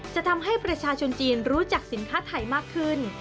จะทำให้ประชาชนจีนรู้จักสินค้าไทยมากขึ้น